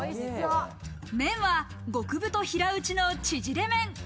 麺は極太平打ちのちぢれ麺。